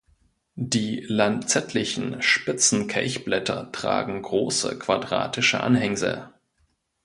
Die lanzettlichen, spitzen Kelchblätter tragen große, quadratische Anhängsel.